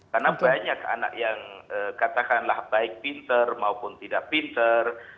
karena banyak anak yang katakanlah baik pinter maupun tidak pinter